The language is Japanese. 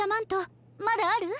まだある？